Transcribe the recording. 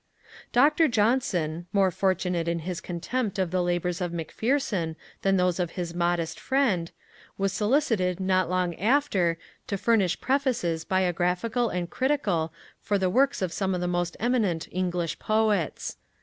Dr. Johnson, more fortunate in his contempt of the labours of Macpherson than those of his modest friend, was solicited not long after to furnish Prefaces biographical and critical for the works of some of the most eminent English Poets.